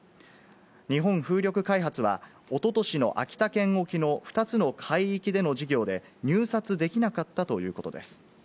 日本風力開発は、おととしの秋田県沖の２つの海域での事業で入札できなかったということです。